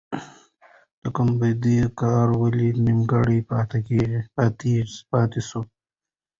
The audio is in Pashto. د ګمبد کار ولې نیمګړی پاتې سو؟